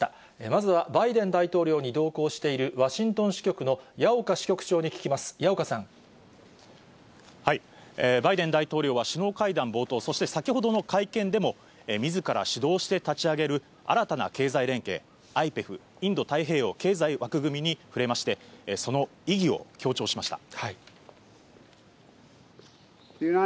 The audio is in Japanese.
まずはバイデン大統領に同行しているワシントン支局の矢岡支局長バイデン大統領は、首脳会談と、そして先ほどの会見でも、みずから主導して立ち上げる新たな経済連携、ＩＰＥＦ・インド太平洋経済枠組みに触れまして、その意義を強調しました。